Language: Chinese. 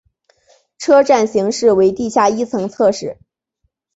车站型式为地下一层侧式。